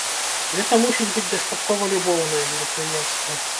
Гэта мусіць быць дастаткова любоўнае мерапрыемства.